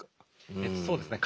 そうですね